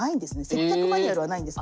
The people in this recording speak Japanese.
接客マニュアルはないんです。